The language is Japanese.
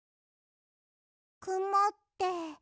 くもって。